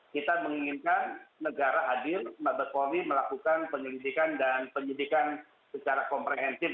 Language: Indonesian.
kita menginginkan negara hadir mabes polri melakukan penyelidikan dan penyidikan secara komprehensif